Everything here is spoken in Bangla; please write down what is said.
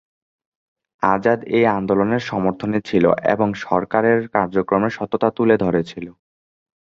আজাদ এই আন্দোলনের সমর্থনে ছিলো এবং সরকারের কার্যক্রমের সত্যতা তুলে ধরছিলো।